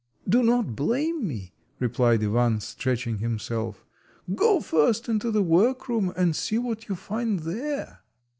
"Do not blame me," replied Ivan, stretching himself, "go first into the work room, and see what you find there."